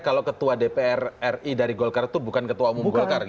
kalau ketua dpr ri dari golkar itu bukan ketua umum golkar